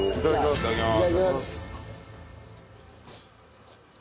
いただきます。